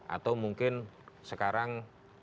atau mungkin sekarang